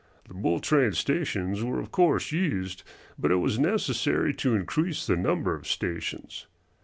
The bull train stations were of course used, but it was necessary to increase the number of stations.